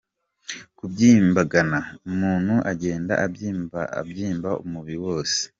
Kubyimbagana: umuntu agenda abyimba umubiri wose.